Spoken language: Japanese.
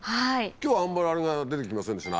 今日はあんまりあれが出て来ませんでしたね